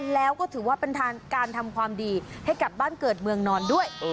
แล้วก็ถือว่าเป็นทางการทำความดีให้กลับบ้านเกิดเมืองนอนด้วย